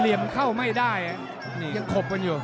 เหลี่ยมเข้าไม่ได้ยังขบกันอยู่